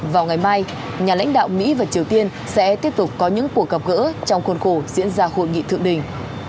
vào ngày mai nhà lãnh đạo mỹ và triều tiên sẽ tiếp tục có những cuộc gặp gỡ trong khuôn khổ diễn ra hội nghị thượng đỉnh